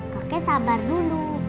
kakek sabar dulu